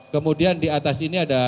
kemudian di atas ini ada